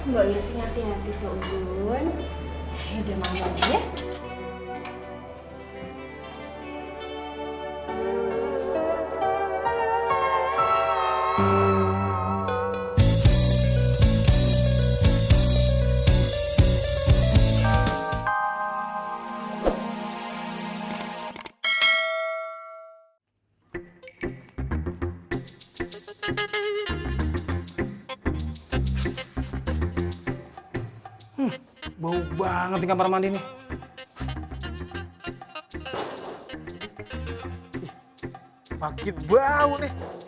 gak usah ngerti ngerti kok bun